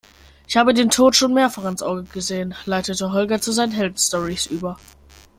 Ich habe dem Tod schon mehrfach ins Auge gesehen, leitete Holger zu seinen Heldenstorys über.